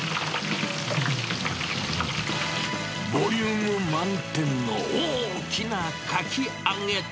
ボリューム満点の大きなかき揚げ。